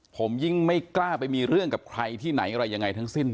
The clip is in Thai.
ผมยิ่งไม่กล้าไปมีเรื่องกับใครที่ไหนอะไรยังไงทั้งสิ้น